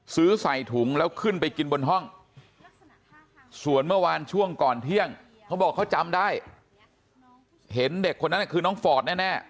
ซื้อใส่ถุงแล้วขึ้นไปกินบนห้องส่วนเมื่อวานช่วงก่อนเที่ยงเขาบอกเขาจำได้เห็นเด็กคนนั้นคือน้องฟอร์ดแน่